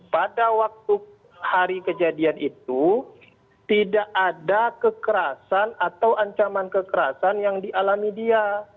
pada waktu hari kejadian itu tidak ada kekerasan atau ancaman kekerasan yang dialami dia